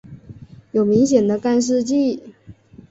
有明显的干湿季。